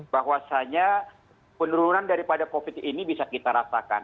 bahwasannya penurunan daripada covid ini bisa kita ratakan